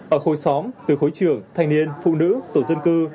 ở khối xóm từ khối trưởng thanh niên phụ nữ tổ dân cư